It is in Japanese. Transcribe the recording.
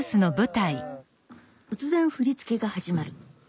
突然振り付けが始まる。